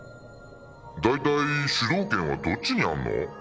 大体主導権はどっちにあんの？